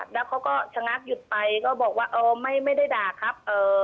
แล้วเขาก็ชะงักหยุดไปก็บอกว่าเออไม่ได้ด่าครับ